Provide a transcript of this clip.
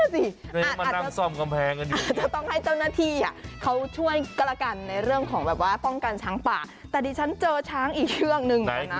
นี่มานั่งซ่อมกำแพงกันอยู่จะต้องให้เจ้าหน้าที่เขาช่วยก็แล้วกันในเรื่องของแบบว่าป้องกันช้างป่าแต่ดิฉันเจอช้างอีกเชือกนึง